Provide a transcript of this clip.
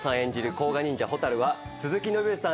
甲賀忍者蛍は鈴木伸之さん